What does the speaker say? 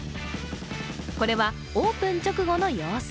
これはオープン直後の様子。